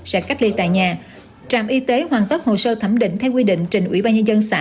sẽ cách ly tại nhà trạm y tế hoàn tất hồ sơ thẩm định theo quy định trình ủy ban nhân dân xã